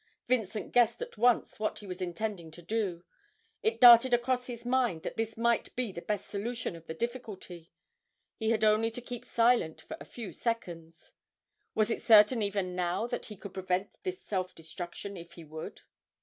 Vincent guessed at once what he was intending to do; it darted across his mind that this might be the best solution of the difficulty he had only to keep silent for a few seconds. Was it certain even now that he could prevent this self destruction if he would?